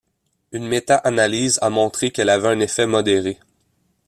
Une méta-analyse a montré qu'elle avait un effet modéré.